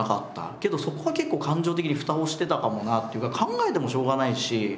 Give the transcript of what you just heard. けどそこは感情的に蓋をしてたかもなっていうか考えてもしょうがないし。